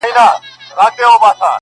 قلندر چي د خداى دوست وو بختور وو.!